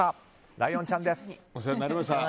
ライオンちゃんです。